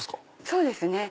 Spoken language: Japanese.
そうですね